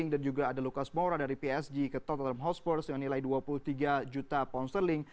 dan juga ada lucas moura dari psg ke tottenham hotspur yang nilai dua puluh tiga juta pound sterling